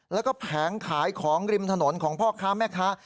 แล้วก็แผงขายของริมถนนของพ่อค้าแม่ค้า